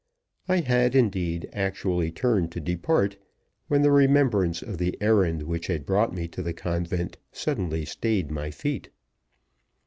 I had, indeed, actually turned to depart, when the remembrance of the errand which had brought me to the convent suddenly stayed my feet.